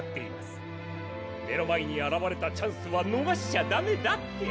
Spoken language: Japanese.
「目の前にあらわれたチャンスはのがしちゃだめだ」って。